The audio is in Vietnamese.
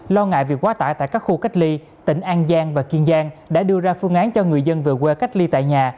lo ngại việc quá tải tại các khu cách ly tỉnh an giang và kiên giang đã đưa ra phương án cho người dân về quê cách ly tại nhà